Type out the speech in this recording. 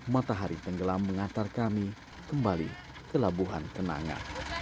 matahari tenggelam mengantar kami kembali ke labuhan kenanga